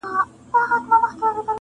تا خو جهاني د سباوون په تمه ستړي کړو-